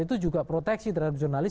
itu juga proteksi terhadap jurnalis